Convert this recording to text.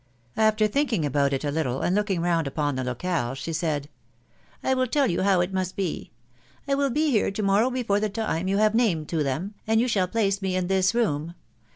After thinking about it a little, and looking round upon the locale, she said, —" I will tell you how it must be. I will be here to morrow before the time you have named to them, and you shall place me in this room.